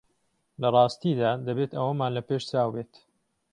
لە ڕاستیدا دەبێت ئەوەمان لە پێشچاو بێت